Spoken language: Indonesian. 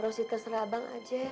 rosita serah bang aja